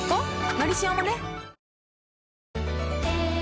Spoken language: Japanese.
「のりしお」もね